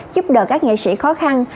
giúp đỡ các nghệ sĩ khó khăn